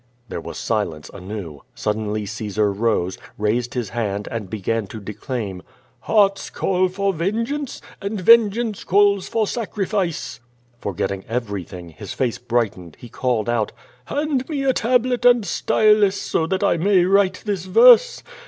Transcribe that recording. There was silence anew. Suddenly Caesar rose, raised his hand and began to declaim: "Hearts call for vengeance, and vengeance calls for sacri fice." Forgetting everything, his face brightened, he called out: "Hand me a tablet and stylus so that I may write this verse.